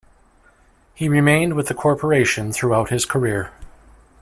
He remained with the corporation throughout his career.